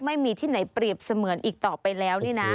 ไม่มีที่ไหนเปรียบเสมือนอีกต่อไปแล้วนี่นะ